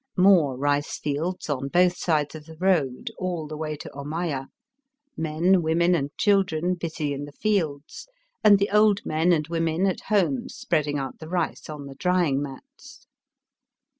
More rice fields on both sides of the road all the way to Omaya, men, women, and children busy in the fields, and the old men and women at home spreading out the rice on the drying mats.